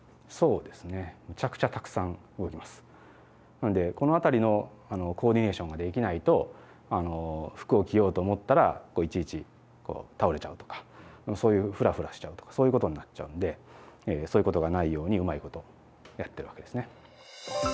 なのでこの辺りのコーディネーションができないと服を着ようと思ったらいちいち倒れちゃうとかそういうフラフラしちゃうとかそういうことになっちゃうんでそういうことがないようにうまいことやってるわけですね。